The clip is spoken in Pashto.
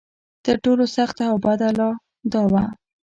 تر ټولو سخته او بده لا دا وه.